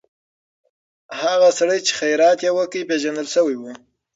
هغه سړی چې خیرات یې وکړ، پېژندل شوی و.